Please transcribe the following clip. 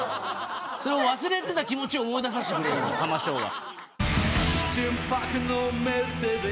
それを忘れてた気持ちを思い出させてくれるハマショーは。